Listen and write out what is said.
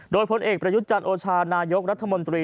โดยพลเอกประยุทธ์จันทร์โอชานายกรัฐมนตรี